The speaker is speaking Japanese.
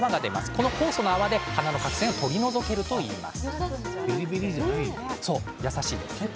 この酵素の泡で、鼻の角栓を取り除けるといいます。